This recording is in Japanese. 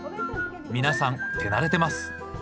皆さん手慣れてます。